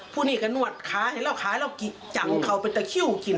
พวกนี้กันนวดขาให้เราขาให้เราจังเขาเป็นตะคิ้วกิน